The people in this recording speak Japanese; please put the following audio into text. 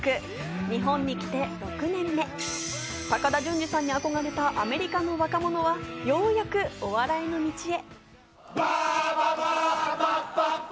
日本に来て６年目、高田純次さんに憧れたアメリカの若者はようやくお笑いの道へ。